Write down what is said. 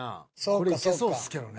これいけそうっすけどね。